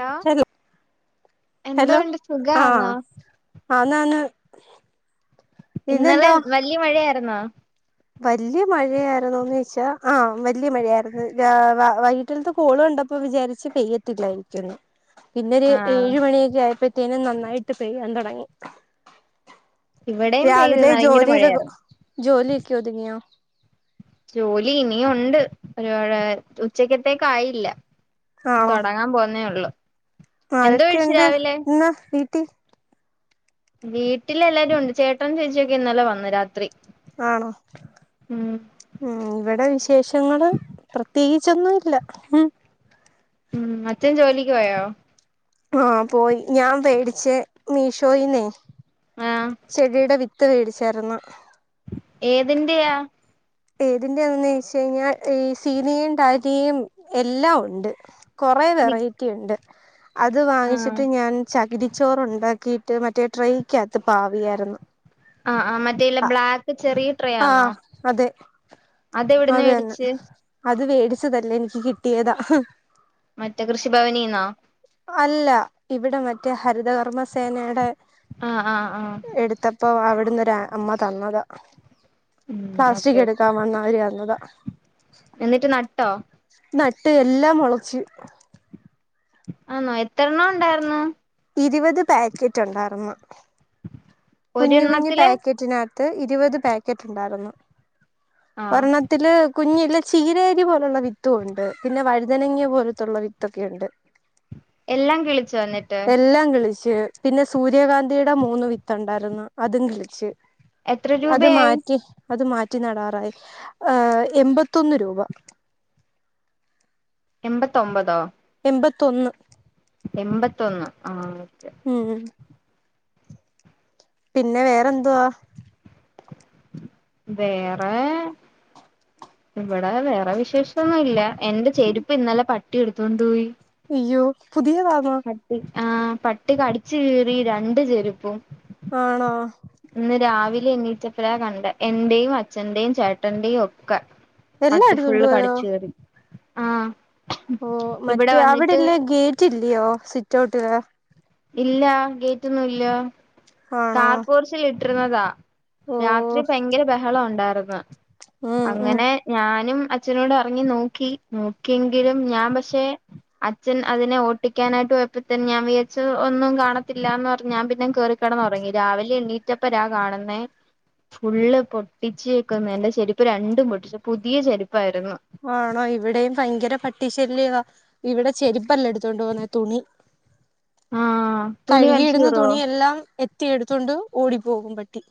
Hello എന്തുകൊണ്ട് സുഖാന്നോ ആണ് ആണ് ഇന്നലെ വലയ മഴ ആയിരുന്നോ വല്യ മഴയായിരുന്നുന്ന് വച്ചാ ആഹ വല്യ മഴയായിരുന്നു വ വൈകീട്ടിലത്ത് കോള കണ്ടപ്പോ വിചാരിച്ച് പെയ്യത്തില്ലായിരിക്കുംന്ന് പിന്നരു ആഹ് ഏഴ് മണിയൊക്കെ ആയപ്പോ കുറ്റേനും നന്നായിട്ട് പെയ്യൻ തുടങ്ങി ഇവിടെയും പെയ്ത് രാവിലെ ഭയങ്കര ജോലി മഴയായിരുന്നു ജോലി പുയ ജോലി ഇനിയ ഉണ്ട് ഒരുപാട് ഉച്ചക്കത്തേക്കായില്ല ആണോ തുടങ്ങാൻ പോന്നേ ഉള്ളു എന്തോ കഴിച്ചു ആരൊക്കെയുണ്ട് രാവിലെ ഇന്ന് വി [unintelligible] വീട്ടിലെല്ലാരും ഉണ്ട് ചേട്ടൻ ചേച്ചിയൊക്കെ ഇന്നലെ വന്ന് രാത്രി ആണോ ഉം മ്മ് ഇവടെ വിശേഷങ്ങള് പ്രത്യേകി ച്ചൊന്നുല്ല [unintelligible] ഉം അച്ഛൻ ജോലിക്ക് പോയോ ആ പോയി ഞാൻ മേടിച്ച മീഷോയിന്നേ ആഹ് ശരീട വി ത്ത് വേടിച്ചാരുന്നു ഏതിന്റെയാ ഏതിന്റെയാണെന്നു ചോദിച്ചു കഴിഞ്ഞാൽ ഈ [unintelligible] യും [unintelligible] യും എല്ലാം ഉണ്ട് കൊറേ ബി വെറൈറ്റി ഉണ്ട് [inaudible] അത് ആഹ് വാങ്ങിച്ചിട്ട് ഞാൻ ചകിരിച്ചോറുണ്ട ക്കീട്ട് മറ്റേ ട്രൈയിക്ക് അകത്ത് പാവിയായിരുന്നു ആ ആ മറ്റേ ഇല്ലാ ആ ബ്ലാക്ക് ചെറിയ ട്രെ ആന്നോ ആഹ് അതെ അതെവിടുന്നു അത് തന്നെ മേടിച് അത് വെടിച്ചതല്ല എനിക്ക് കിട്ടിയതാ മറ്റേ കൃഷിഭവനീന്നാ അല്ല ഇവിടെ മറ്റേ ഹരിതകർമ്മ സേനെടെ ആഹ് ആ ആ എന്നാരാ അമ്മ തന്നതാ ഉം ഓക്കെ പ്ലാസ്റ്റിക് ഓക്കെ എടുക്കാൻ വന്നവര് തന്നതാ എന്നിട്ട് ന ട്ടോ നട്ട് എല്ലാം മുളച്ച് ആന്നോ എത്രണ്ണം ഉണ്ടായിര്ന്നു? ഇരുപത് പാക്കറ്റ് ണ്ടായിരുന്ന്. കുഞ്ഞു കുഞ്ഞ് ഒരെണ്ണത്തില് പാക്കറ്റിന ത്ത് ഇരുപത് പാക്കറ്റ്ണ്ടായിരുന്നു ആഹ് ഒരെണ്ണത്തില് കുഞ്ഞില് ചീരരി പോലുള്ള വിത്തും ഉണ്ട് പിന്നെ വഴുതനങ്ങ പോലത്തുള്ള വിത്തൊക്കെ ഉണ്ട്. എല്ലാം കിളിച്ചോ എന്നിട്ട് റ്റ് പിന്നെ സൂര്യകാന്തിയ്ടെ മൂന്ന് വി ത്ത്ണ്ടായിരുന്ന് അതും കിളിച്ച് എത്ര അത് രൂപയായി മാറ്റി അത് മാറ്റി നടാറായി ഏ എമ്പത്തൊന്ന് രൂപ എമ്പത്തൊമ്പതോ എമ്പത്തൊന്ന് എമ്പത്തൊന്ന് ആ ഉം പിന്നെ വേറെന്തുവാ? വേറെ ഇവിടെ വേറെ വിശേഷം ഒന്നും ഇല്ല. എന്റെ ചെരുപ്പ് ഇന്നലെ പട് പട്ടിഎടുത്തുകൊണ്ട് പോയി. അയ്യോ പുതിയതാണോ ആ പട്ടി കടിച്ചു കീറി രണ്ട് ചെരുപ്പും ആണോ ഇന്ന് രാവിലെ എണിറ്റപ്പോഴകണ്ട് എന്റെയും അച്ഛന്റെയും ചേട്ടന്റെയും ഒക്കെ എല്ലാം എടുത്തു പട്ടിഫുൾ കൊണ്ടുപോയോ കടിച്ച് കീറി ആ ഓ മറ്റേ അവിടെല്ലേ ഗേറ്റില്ലയോ സിറ്റ് ഔട്ട് ത്ത [unintelligible] ഇല്ല ഗേറ്റൊന്നും ഇല്ല ആണോ കാർ പോർച്ചിൽഇട്ട- ഇട്ടിരുന്നതാ ഓ രാത്രി ഭയങ്കര ബഹളം ഉണ്ടായിരുന്നു വ ഉം ഉം അങ്ങനെ ഞാനും അച്ഛനോട്റങ്ങി നോക്കി നോക്കിയെങ്കിലും ഞാൻ പക്ഷെ അച്ഛൻ അതിനെ ഓട്ടിക്കാനായിട്ട് പോയപ്പോത്തന്നെ ഞാൻ വിചരിച്ചു ഒന്നും കാണത്തില്ലന്ന് പറഞ്ഞ് ഞാൻ പിന്നെ കിടന്ന് ഉറങ്ങി രാവിലെ എണീറ്റ പ്പതാ കാണുന്നേ ഫുള്ള് പൊട്ടിച്ച്ക്കുന്ന് എന്റെ ചെരുപ്പ് രണ്ടും പൊട്ടിച്ചു പുതിയ ചെരുപ്പായിരുന്നു. ആണോ ഇവിടെയും ഭയങ്കര പട്ടിശല്യ ഇവിടെ ചെരിപ്പല്ലാം എടുത്തോണ്ട് പോണ ത്തുണി ആഹ് തുണി കഴുകിയിടുന്ന വലിച്ചൂറുവോ തുണിയെല്ലാം എത്തിയ എടുത്തൊണ്ട് ഓടി പോകും പട്ടി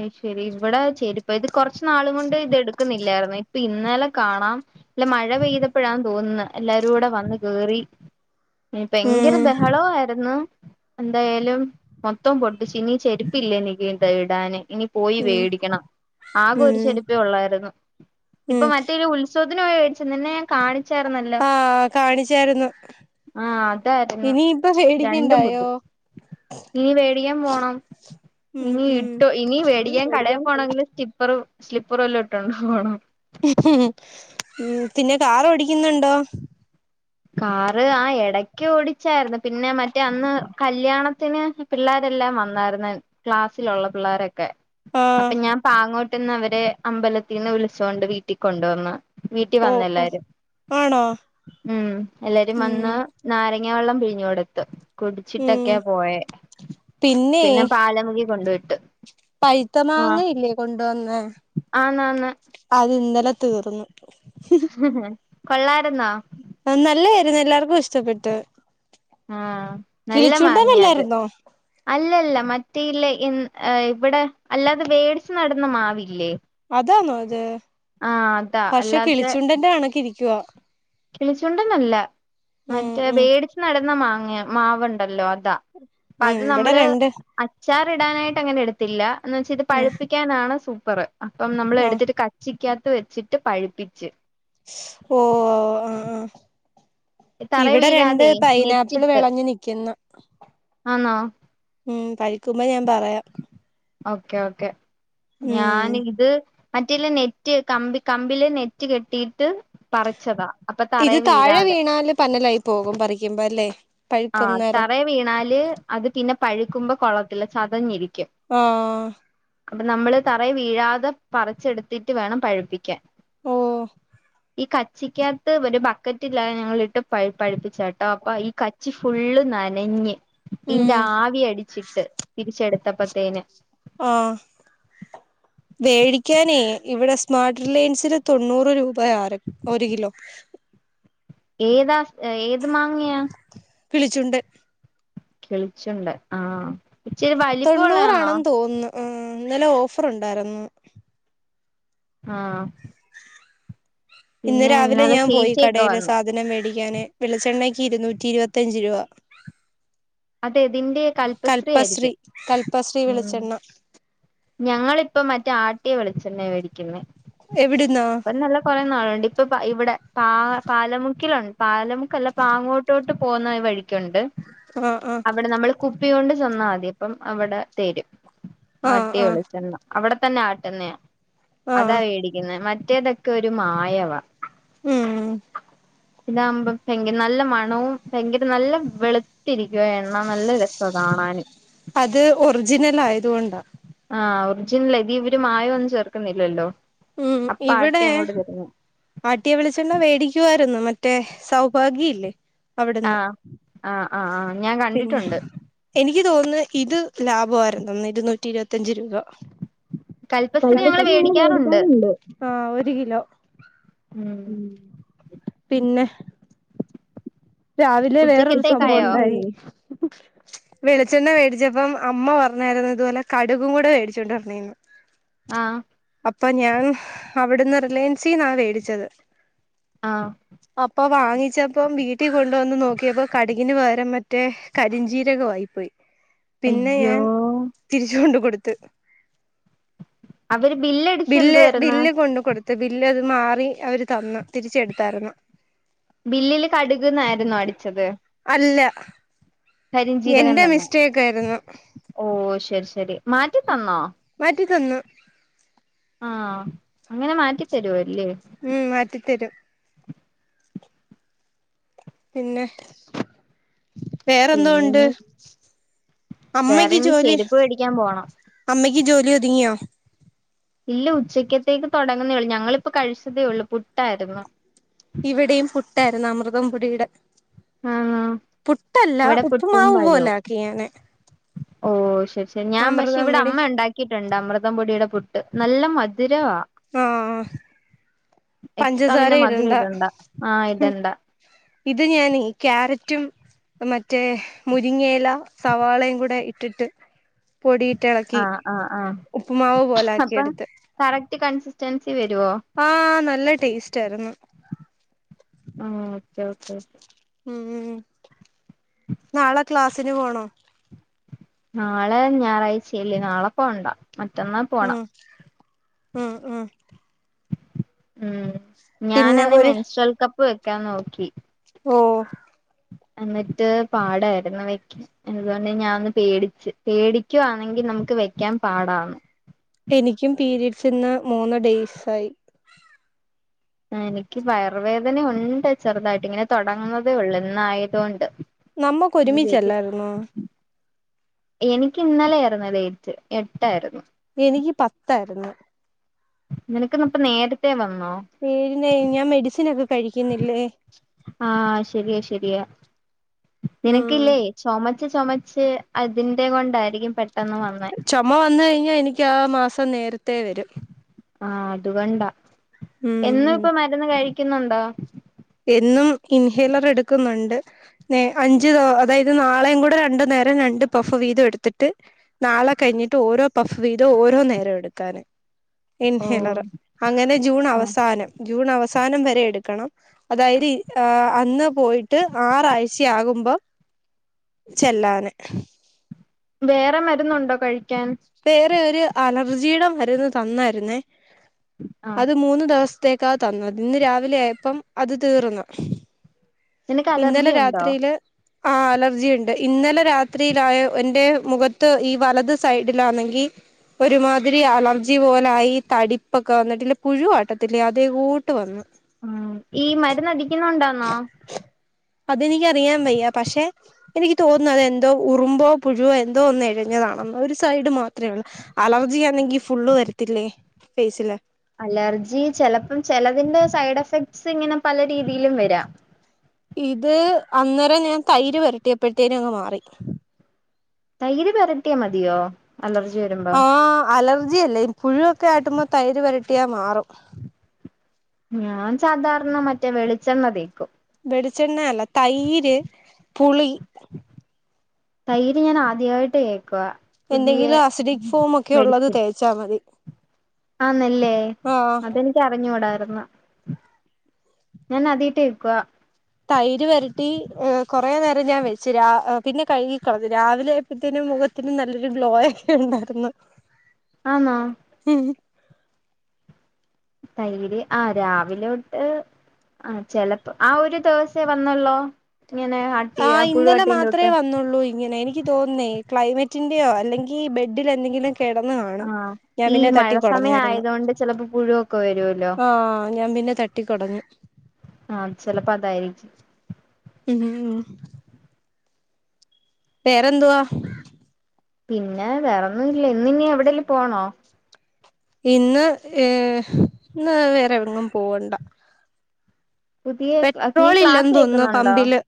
അ ശരി ഇവിടെ ചെരിപ്പ കൊറച്ച് നാള്കൊണ്ട് ഇതെടുക്കുന്നില്ലായിരുന്നു ഇപ്പ ഇന്നലെ കാണാം ഇല്ല മഴ പെയ്തപ്പോഴാണ് തോന്നുന്നത് എല്ലാരും കൂടെ വന്ന് കേറി ഭയങ്കര ഉം ബഹളയിരുന്നു എന്തായാലും മൊത്തം പൊട്ടിച്ച് ഇനി ചെരുപ്പില്ല എനിക്ക് [unintelligible] ഇടാന് ഇനി പോയി ഉം വേടിക്കണം ആകെ ഒരു ഉം ചെരിപ്പ് ഒള്ളായിരുന്നു ഇപ്പൊ ഉം മറ്റേൊരു ഉത്സസവ [unintelligible] നിന്നെ ഞാൻകാണിച്ച ആ കാണിച്ചായിരുന്നു ആഹ് അതായിരുന്നു ഇനി ഇപ്പൊ രണ്ടും പൊട്ടി മേടിക്കണ്ടായോ ഇനി വേടിക്കാൻ പോണം ഉം ഇനി ഉം ഇട്ടോ ഇനി മേടിക്കാൻ കടയി പേടിക്കാൻ തൊട പോണമെങ്കിൽ സ്റ്റിപ്പർ സ്ലിപ്പർ വല്ലോം ഇട്ടോണ്ട് പോണം പിന്നെ കാർ ഓടിക്കുന്നുണ്ടോ കാറ് ആ ഇടക്ക് ഓടിച്ചായിരുന്നു പിന്നെ മറ്റേ അന്ന് കല്യാണത്തിന് പിള്ളേരെല്ലാം വന്നായിരുന്ന ക്ലാസ്സിലുള്ള പിള്ളാരൊക്കെ ക്കെ ആഹ് അപ്പൊ ഞാൻ പാങ്ങോട്ട് പെട്ടുന്നവരെ അമ്പലത്തിൽ നിന്ന് വിളിച്ച് കൊണ്ട് വീട്ടിൽ കൊണ്ടുവന്ന്. വീട്ടി ഓ വന്ന് ഓ എല്ലാരും ആണോ. ഉം എല്ലാരും ഉം വന്ന് നാര ഞ വെള്ളം പിഴിഞ്ഞു കൊടുത്ത്. ഉം കുടിച്ചിട്ടൊക്കെ പോയെ പിന്നെ പാലമുഖി കൊണ്ടു വിട പൈത്ത മാങ്ങയില്ലേ കൊണ്ടുവന്നേ അത് ഇന്നലേ തീർന്നു. [unintelligible] കൊള്ളാ ടുന്നാ രുന്നു എല്ലാർക്കും ഇഷ്ടപ്പെട്ട്. ആഹ്. നല്ല കിളിച്ചൂണ്ടന്നല്ലായിരുന്നോ ല്ല മറ്റേ ഇല്ല ഇവിടെ അല്ലാതെ വേടിച്ച് നടുന്ന മാവില്ലേ? അതാണോ ഇത് ആഹ് അതാ പക്ഷെ കിളിച്ചുണ്ടന്റെ കണക്ക് ഇരിക്കും [unintelligible] കിളിച്ചുണ്ടന്നല്ല മറ്റേ ഉം മേടിച്ച് നട്ന്ന മാവ് അ മാവ്ണ്ടല്ലോ അതാ അപ്പ ഉം അത് ഇവിടെ നമ്മള് രണ്ട് അച്ചാറിടാനായിട്ട് അങ്ങനെ എടുത്ത് ഇല്ല [unintelligible] എന്ന് വെച്ച് ഇത് ഉം പഴുപ്പിക്കാനാണ് സൂ [unintelligible] പറ അപ്പം നമ്മൾ ആഹ് എടുത്തിട്ട് കച്ചി [unintelligible] ക്കിത്ത് വെച്ചിട്ട് പഴിപ്പിച്ച് ഓഓ ആആ തറേ ഇവിടെ രണ്ട് വീഴാതെ പൈനാപ്പിൾ നെറ്റിട്ട് വെളഞ്ഞു നിൽക്കുന്നു ആന്നോ ഉം കഴിക്കുമ്പോ ഞാ ഓക്കെ ഓക്കെ ക്കെ ഉം ഞാൻ ഇത് മറ്റേല്ല നെറ്റ് കമ്പ കമ്പില് നെറ്റ് കെട്ടിയിട്ട് പറിച്ചതാ അപ്പൊ തറേ ഇത് താഴെ വീഴാതെ വീണാല് പന്നലായി പോകും പറിക്കുമ്പോ അല്ലേ ആ പഴുക്കും നേരം തറ വീണാല് അത് പിന്നെ പഴുക്കുമ്പോ കൊള സാധംഞരിക്ക ആഹ അപ്പൊ നമ്മള് തറ വീഴാതെ പറിച്ചെടുത്തിട്ട് വേണം പഴുപ്പിക്കാൻ ഓ ഈ കച്ചിക്കകത്ത് ഒരു ബക്കറ്റ് ഇല്ലാതെ ഞങ്ങളിട്ട് പഠിപ്പിച്ച കേട്ടോ അപ്പൊ ഈ കാ ച്ച ഫുള്ള് നനഞ്ഞ് ഇന്റെ ഉം ആവി അടിച്ചിട്ട് തിരിച്ചെടുത്തപ്പത്തേന മേടിക്കാനേ ഇവിടെ സ്മാർട്ട് റിലയൻസിന് തൊണ്ണൂറ് രൂപ ആറ് ഒരു കിലോ ഏതാ ഏത് മാങ്ങയാ വിളിച്ചുണ്ട് കളിച്ചുണ്ട് ആഹ തൊണ്ണൂറാണെന്ന് തോന്നുന്നു ആ ഇന്നല ഓഫർ ഉണ്ടായിരുന്നു ആഹ ഇന്ന് രാവിലെ ഞാൻ പോയി ചേച്ചിയൊക്കെ കടൽ വന്നു സാധനം മേടിക്കാ വെളിച്ചെണ്ണയ്ക്ക് ഇരുന്നൂറ്റി ഇരുപത്തയഞ്ച രൂപ അതെ ഇതിന്റെറെ കൽപശത്രീ കൽപ്പശ്രീ ആയിരിക്കും കൽപ്പശ്രീ ഉ വെളിച്ചെണ്ണ ഞങ്ങളിപ്പ മറ്റേ ആട്ടിയെ വിളിച്ചെ വേി എവിടുന്നാ ഇപ്പ നല്ല കൊറ നാളുണ്ട് ഇപ്പൊ ഇവിടെ പാ പാലമുക്കിലുണ്ട് പാലമുക്കല്ല പാങ്ങോട്ടോട്ട് പോന്ന വഴിക്ക് ണ്ട് ആഹ് ആഹ് അവിടെ നമ്മൾ കു കുപ്പി കൊണ്ട് ചെന്നാൽ മതി അപ്പം അവിടെ തരും ആഹ വിളിച്ച അവിടെ തന്നെ ആട്ടന്നെയ അതാ ആഹ് മേടിക്കുന്നത് മ മറ്റേതൊക്കെ ഒരു മായവ ഉം ഉം ഇതാകുമ്പോ ഭയങ്കര നല്ല മണവും ഭയങ്കര നല്ല വെളുത്തിരിക്കുവ എണ്ണ നല്ല രസം കാണാന് അത് ഒറിജിനൽ ആയതുകൊണ്ടാ ആ ഒറിജിനലാ ഇത് ഇവര് മായമോന്നും ചേർക്കുന്നില്ലല്ലോ ഉം അപ്പ ആട്ടി ഇവിടെ അങ്ങോട്ട് തരുന്നു ആട്ടിയവെളിച്ചെണ്ണ വേടിക്കുവായിരുന്നു മ മറ്റേ സൗഭാഗ്യ ഇല്ലേ അവിടുന്ന് ആഹ് ആഹ് ആഹ് ആഹ് ഞാൻ പിന്നെ കണ്ടിട്ടുണ്ട് എനിക്ക് തോന്നുന്നു ഇത് ലാഭമായിരുന്നു ഇരുന്നൂറ്റി ഇരുപത്തിയഞ്ച് രൂപ. കല്പസ്ത്രീ ഞങ്ങൾ വേടിക്കാറു ആ ഒരു കിലോ ഉം പിന്നെ രാവിലെ വേറൊരു സംഭവം ഉച്ചക്കത്തേക്കായോ ഉണ്ടായി. വെളിച്ചെണ്ണ മേടിച്ചപ്പം അമ്മ പറഞ്ഞരുന്ന് ഇതുപോലെ കടുകും കൂടെ മേടിച്ചോണ്ട് വരണേന്ന്. ആഹ് അപ്പൊ ഞാൻ അവിടുന്ന് റിലയൻസിന്നാ മേടിച്ചത്. ആഹ് അപ്പൊ വാങ്ങിച്ചപ്പം വീ കൊണ്ടുവന്ന് നോക്കിയപ്പോ കടുകിന് പകരം മറ്റേ കരിഞ്ചീരകം ആയിപ്പോയി. പിന്നെ അയ്യോ ഞാൻ തിരിച്ചുകൊണ്ട് കൊടു ത്ത്. അവര് ബില്ലടിച്ച ബില് എന്തുവാരുന്നു ബില്ല് കൊണ്ട് കൊടുത്തു ബില്ല് അതെ മാറി അവര് തന്നു തിരിച്ചെടുത്തായിരുന്നു. ബില്ലില് കടുക്ന്ന് ആയിരുന്നോ അടിച്ചത്? അല്ല കരിംജീരകം എന്റെ തന്നെ മിസ്റ്റേക്ക് ആയിരുന്നു ഓ ശരി ശരി. മാറ്റി തന്നോ? മാറ്റിത്തന്നു ആഹ്. അങ്ങനെ മാറ്റിത്തരുവോ അവര് ഇല്ലേ? തെരും പിന്നെ വേറെന്തോ ഒണ്ട്? പിന്നെ വേറെ അമ്മക്ക് ഇനി ജോലി ചെരുപ്പ് മേടിക്കാൻ പോണം അമ്മക്ക് ക്ക് ജോലി ഒതുങ്ങിയോ? ഇല്ല ഉച്ചക്കത്തേക്ക് തൊടങ്ങുന്നേയുള്ളൂ, ഞങ്ങളിപ്പോ കഴിച്ചതേ ഉള്ളൂ പുട്ടായിരുന്നു ഇവിടെയും പുട്ടായിരുന്നു [unintelligible] ആഹ് പുട്ടല്ല ഇവിടെ പുട്ടും ഉപ്പുമാവ് പോലെ പഴവും ആക്കി ഞാന്. ഓ ശരി ക്ഷെ ഞാൻ പക്ഷെ അമൃതം ഇവിടെ പൊടി അമ്മ ഒണ്ടാക്കിയിട്ടുണ്ട് അമൃതം പൊടിയുടെ പുട്ട്. നല്ല മധു ധിരവാ ആഹ് പഞ്ചസാര ഇടണ്ട ആഹ് ഇടണ്ട ഇത് ഞനേ ക്യാരറ്റ... റ്റും മറ്റേ മുരിങ്ങേല സവാളയും കൂടെ ഇ.. ട്ടിട്ട് പൊടിയിട്ടിളക്കി ആഹ് ആഹ് ആഹ് ഉപ്പുമാവ് പോലെ ആക്കി എടുത്ത് ടെൻസ്... ആ നല്ല ടേസ്റ്റ് ആരുന്നു ആ ഓക്കെ ഓക്കേ ഓക്കേ ഉം നാളെ... ക്ലാസ്സിന് പോണോ നാളെ ഞായറാഴ്ചയല്ലേ നാളെ പോകണ്ട ഉം ഉം ഉം മ് പിന്നെ ഞാൻഅന്നേ ഒരു മെൻസ്ട്രാൽ കപ്പ് വെ ക്കാ നോക്കി ഓ എന്നിട്ട് പാടായിര്ന്നു വെക്കൻ അതുകൊണ്ട് ഞാനൊന്ന് പേടിച്ച് പേടിക്കുവാണെങ്കിൽ നമുക്ക് വെക്കാൻ പാടാന്ന് എനിക്കും പീരിയഡ്സ് ഇന്ന് മൂന്ന് ഡേയ്സ് ആയി എനിക്ക് വയർവേദനയുണ്ട് ചെറുതായിട്ട് ഇങ്ങനെ തുടങ്ങുന്നതേ ഉള്ള് ഇന്നയത് കൊണ്ട് നമ്മക്ക് ഒരുമിച്ചല്ലായിരുന്നോ എനിക്ക് ഇന്നലൊയര്ന്നു ഡേറ്റ് എട്ടായിര്ന്നു എനിക്ക് പത്തായിരുന്നു നിനക്കിന്നപ്പ നേരത്തെേ വന്ന... പെരുന്നേ ഞാൻ മെഡിസിൻ ഒക്കെ കഴിക്കുന്നില്ലേ ആഹ് ശരിയാ ശരിയാ ഉം നിനക്കില്ലേ ചൊമ ച്ച് ചൊമച്ച് അതിന്റെ കൊണ്ടായിരിക്കും പെ ചൊമ വന്ന് കഴിഞ്ഞാ എനിക്ക് ആ മാ സം നേരത്തെ വരും ആഅ അതുകൊണ്ട ഉം എന്നും ഉം ഇപ്പ മരുന്ന് കഴി.... ക്കുന്നുണ്ടോ എന്നും ഇൻഹേലർ എടുക്കുന്നുണ്ട് നേ അഞ്ചു തോ അതായത് നാളെയും കൂടെ രണ്ടു നേരം രണ്ട് പഫ് വീതം എടുത്തിട്ട് നാളെ കഴിഞ്ഞിട്ട് ഓരോ പഫ് വീതം ഓരോ നേരം എടുക്കാന് ഓ ഇൻഹലറ് അങ്ങനെ ജൂൺ ആഹ് അവസാനം ജൂൺ അവസാ [unintelligible] നം വരെ എടുക്കണം അതായരി ആ അന്ന് പോയിട്ട് ആറാഴ്ചയാകുമ്പം ചെല്ലാന് വേറെ മരുന്നുണ്ടോ കഴിക്കാൻ വേറെ ഒരു അലർജിയുടെ മരുന്ന് തന്നായിര്ന്നേ ആഹ് അത് മൂന്ന് ദെവ‌സ് ത്തേക്കാ തന്ന ഇന്ന് രാവിലെ ആയപ്പം അത് തീർന്ന് നിനക്ക് ഇന്നലെ അലർജി ഉണ്ടോ രാത്രിയില് ആ അലർജി ഇണ്ട് ഇന്നലെ രാത്രിയിലായ എന്റെ മുഖത്ത് ഈ വലത് സൈ [unintelligible] ഒരുമാതിരി അലർജി പോലായി തടിപ്പൊക്കെ വന്നിട്ടില്ല പുഴു വാട്ടത്തില്ലേ അതേ കൂട്ട് വന്ന് ഉം ഈ മരുന്നടി ഇന്നുണ്ടോന്നോ അതെനിക്കറിയാൻ വയ്യ പക്ഷെ എനിക്ക് തോന്നുന്നു അതെന്തോ ഉറുമ്പോ പുഴുവോ എന്തോ ഒന്ന് എഴിഞ്ഞതാണെന്ന് ഒരു സൈഡ് മാത്രേ ഒള്ളു അലർജിയാണെങ്കി ഫുള്ള് വരത്തില്ലേ ഫേസില് അലർജി ചെലപ്പം ചെലതിന്റെ സൈഡ് എഫക്ട്സ് ഇങ്ങനെ പല രീതീയിലും വരാം ഇത് അന്നെരം ഞാൻ തൈര് വരട്ടിയപ്പഴ്ത്തേനങ്ങ് മാറി തൈര് പെരട്ടിയാ മതിയോ അലർജി വരുമ്പം ആ അലർജി അല്ലേ ൻ പുഴു ക്കാട്ടുമ്പോ തൈര് വരട്ടിയാ മാറും ഞാൻ സാധാർണ മറ്റേ വെളിച്ചെണ്ണ തേക്കും വെളിച്ചെണ്ണയല്ല തൈര് പുളി തൈര് ഞാൻ ആദ്യവായിട്ട് കേൾക്കുവ എന്തെങ്കിലും അസിഡിക് ഫോമൊക്കെ ഒള്ളത് തേച്ചാ മതി ആന്നല്ലേ ആഹ് അതെനിക്ക് അറിഞ്ഞൂടാ [unintelligible] ഞാൻ ആദ്യായിട്ടേക്കുവ തൈര് വരട്ടി ഏ കൊറേ നേരം ഞാൻ വെച്ചു രാ അ പിന്നെ കഴുകിക്കളഞ്ഞു രാവിലെ ആയപ്പൊത്തിനും മുഖത്തിനും നല്ലൊരു ഗ്ലോയൊക്കെണ്ടാർന്നു ആന്നോ തൈര് ആ രാവിലെ ഒട്ട് ആ ചെലപ്പൊ ആ ഒരു ദെവസേ വന്നൊള്ളോ ഇങ്ങനെ ആട്ടി ആ ഇന്നലെ പുഴുവാട്ടീന്റെ മാത്രേ കൂട്ട് വന്നുള്ളൂ ഇങ്ങനെ എനിക്ക് തോന്നേ ക്ലൈമറ്റിന്റെയോ അല്ലെങ്കിൽ ബെഡിൽ എന്തെങ്കിലും കിടന്ന് കാണും ആഹ് ഞാൻ ഈ പിന്നെ മഴ തട്ടിക്കൊടഞ്ഞായിരുന്നു സമയായതോണ്ട് ചെലപ്പൊ പുഴുവൊക്കെ വരുവല്ലോ ആഹ് ഞാൻ പിന്നെ തട്ടിക്കൊടഞ്ഞു ആ ചെലപ്പം അത് തായിരിക്കും ഉം വേറെന്തുവാ പിന്നെ വേറെന്നും ഇല്ലേ ഇന്നിനി എവിടേലും പോണോ ഇന്ന് ഏഹ് ഇന്ന് വേറെ എങ്ങും പോവണ്ട പുതിയ നീ പെട്രോൾ ക്ലാസ് ഇല്ലെന്ന് തോന്നുന്നു കേക്കുന്നുണ്ടോ പമ്പില്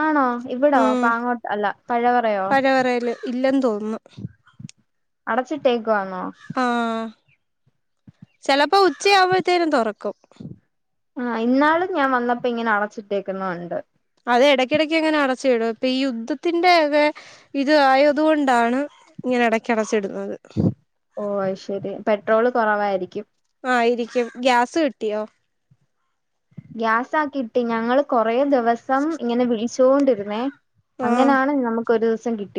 ആണോ ഇവിടോ ഉം പാങ്ങോട്ട് അല്ല പഴവറയോ പഴവറയില് ഇല്ലെന്ന് തോന്നുന്നു അടച്ചിട് തേക്കുവാന്നോ ആഹ് ചെലപ്പോ ഉച്ചയാവുമ്പത്തേനും തൊറക്കും ആ ഇന്നാളും ഞാൻ വന്നപ്പോ ഇങ്ങനെ അടച്ചിട്ടേക്കുന്നുണ്ട് അതെ ഇടക്കിടക്ക് അങ്ങനെ അടച്ചിടും ഇപ്പൊ ഈ യുദ്ധത്തിന്റെ ഒക്കെ ഇത് ആയത് കൊണ്ടാണ് ഇങ്ങനെ ഇടക്ക് അടച്ചിടുന്നത് ഓ അയ്ശരി പെട്രോള് കുറവായിരിക്കും ആയിരിക്കും ഗ്യാസ് കിട്ടിയോ ഗ്യാസ് ആക്കീട്ട് ഞങ്ങള് കൊറേ ദെവ ദെവസം ഇങ്ങനെ വി ച്ചോണ്ടിരുന്നേ ആഹ് അങ്ങനാണ് നമുക്ക് ക്കൊരു ദിവസം കിട്ടി